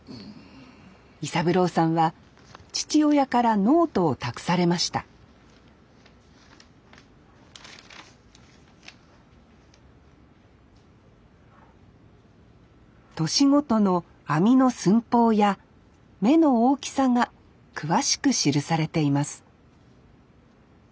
伊三郎さんは父親からノートを託されました年ごとの網の寸法や目の大きさが詳しく記されています